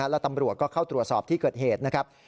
และตำรวจก็เข้าตรวจสอบที่เกิดเหตุนะครับ